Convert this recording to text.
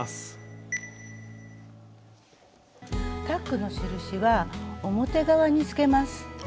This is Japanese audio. タックの印は表側につけます。